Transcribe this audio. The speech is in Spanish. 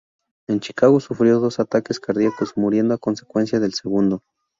En Chicago, sufrió dos ataques cardíacos, muriendo a consecuencia del segundo.